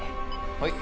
はい。